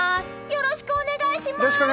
よろしくお願いします！